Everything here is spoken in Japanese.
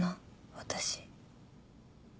私。